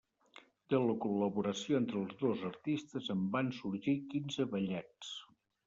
De la col·laboració entre els dos artistes en van sorgir quinze ballets.